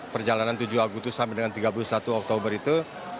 perjalanan tujuh agustus sampai dengan tiga puluh satu oktober itu